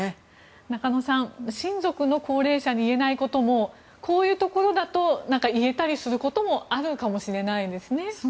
中野さん親族の高齢者に言えないこともこういうところだと言えたりすることもあるのかもしれないですね。